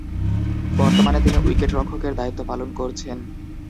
বর্তমানে তিনি উইকেটরক্ষক এর দায়িত্ব পালন করছেন।